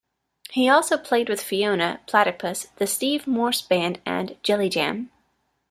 He also played with Fiona, Platypus, The Steve Morse Band, and Jelly Jam.